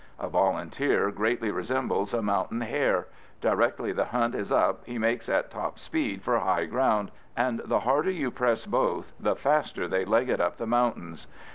A Volunteer greatly resembles a mountain hare: directly the hunt is up he makes at top speed for high ground, and the harder you press both the faster they leg it up the mountains.